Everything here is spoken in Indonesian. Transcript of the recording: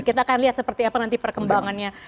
kita akan lihat seperti apa nanti perkembangannya